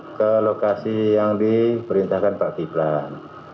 kami langsung survei ke lokasi yang diperintahkan pak kiplan